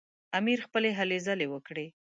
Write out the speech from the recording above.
امیر خپلې هلې ځلې وکړې.